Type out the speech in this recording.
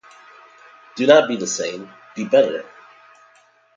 Do not be the same, be better!